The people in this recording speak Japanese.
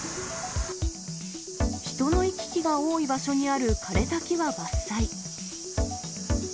人の行き来が多い場所にある枯れた木は伐採。